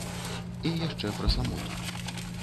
І яшчэ пра самоту.